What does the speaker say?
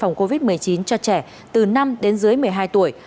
phòng covid một mươi chín cho trẻ từ năm đến dưới một mươi hai tuổi